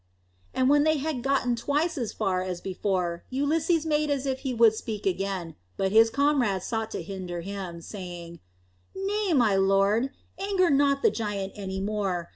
And when they had gotten twice as far as before, Ulysses made as if he would speak again; but his comrades sought to hinder him, saying, "Nay, my lord, anger not the giant any more.